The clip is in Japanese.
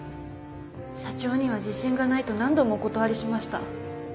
社長には自信がないと何度もお断りしました。